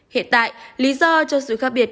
hiện tại lý do cho sự khác biệt